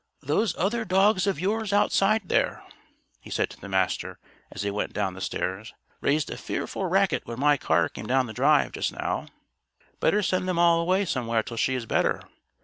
"Those other dogs of yours outside there," he said to the Master, as they went down the stairs, "raised a fearful racket when my car came down the drive, just now. Better send them all away somewhere till she is better.